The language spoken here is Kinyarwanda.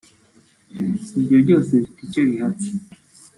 ibyo byose bifite icyo bihatse